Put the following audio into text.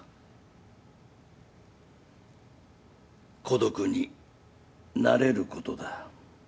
孤独に慣れることだ。